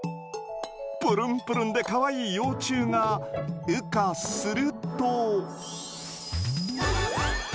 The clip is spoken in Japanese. ぷるんぷるんでかわいい幼虫が羽化すると。